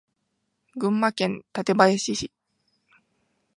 群馬県館林市